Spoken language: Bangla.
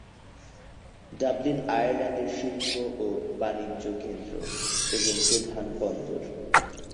ডাবলিন আয়ারল্যান্ডের শিল্প ও বাণিজ্য কেন্দ্র এবং প্রধান বন্দর।